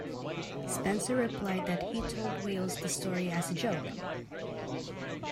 Spencer replied that he told Wales the story as a joke.